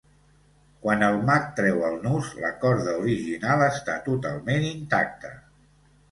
Quan el mag treu el nus, la corda original està totalment intacta.